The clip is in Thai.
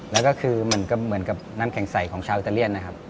แล้วก็คือมันก็เหมือนกับน้ำแข็งใสของชาวอิตาเลียนนะครับ